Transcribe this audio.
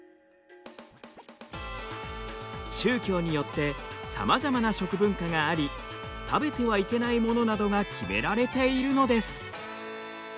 宗教によってさまざまな食文化があり食べてはいけないものなどが決められているのです。